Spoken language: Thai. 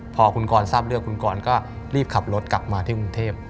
พอคุณกรทราบเรื่องคุณกรก็รีบขับรถกลับมาที่กรุงเทพ